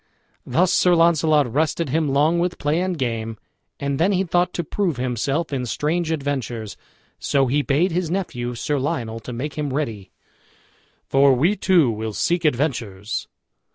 Thus Sir Launcelot rested him long with play and game, and then he thought to prove himself in strange adventures; so he bade his nephew, Sir Lionel, to make him ready, "for we two will seek adventures."